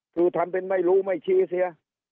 คือทำเป็นไม่รู้ไม่ชี้เสีย